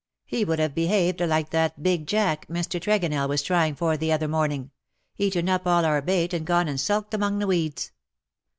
He would have behaved like that big jack Mr. Tregonell was trying for the other morning : eaten up all our bait and gone and sulked among the weeds.''